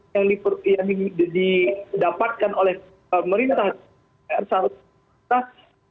yang didapatkan oleh pemerintah